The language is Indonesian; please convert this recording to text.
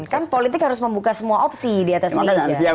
kan politik harus membuka semua opsi di atas meja